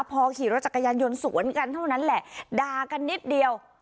พอขี่รถจักรยานยนต์สวนกันเท่านั้นแหละด่ากันนิดเดียว